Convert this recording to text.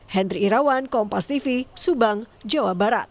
henry irawan kompas tv subang jawa barat